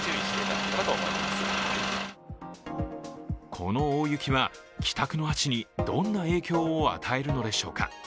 この大雪は帰宅の足にどんな影響を与えるのでしょうか。